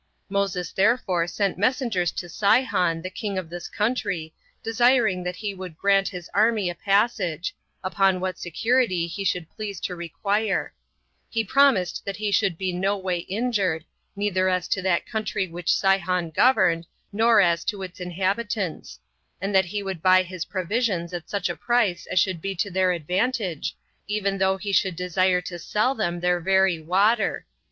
Moses therefore sent messengers to Sihon, the king of this country, desiring that he would grant his army a passage, upon what security he should please to require; he promised that he should be no way injured, neither as to that country which Sihon governed, nor as to its inhabitants; and that he would buy his provisions at such a price as should be to their advantage, even though he should desire to sell them their very water.